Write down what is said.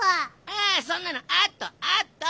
ああそんなのあとあと！